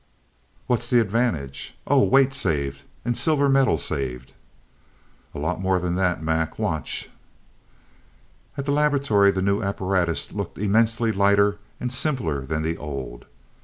"What's the advantage? Oh weight saved, and silver metal saved." "A lot more than that, Mac. Watch." At the laboratory, the new apparatus looked immensely lighter and simpler than the old.